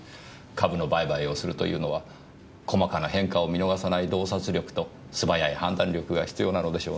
株の売買をするというのは細かな変化を見逃さない洞察力と素早い判断力が必要なのでしょうねぇ。